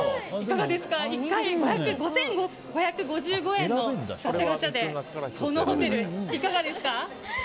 １回５５５５円のガチャガチャでこのホテル、いかがですか？